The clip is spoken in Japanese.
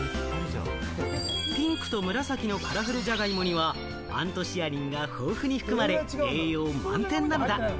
ピンクと紫のカラフルジャガイモにはアントシアニンが豊富に含まれ、栄養満点なのだ。